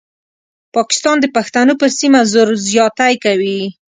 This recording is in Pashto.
پاکستان د پښتنو پر سیمه زور زیاتی کوي.